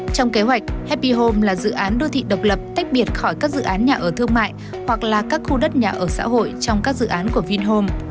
trong kế hoạch hepi home là dự án đô thị độc lập tách biệt khỏi các dự án nhà ở thương mại hoặc là các khu đất nhà ở xã hội trong các dự án của vinhome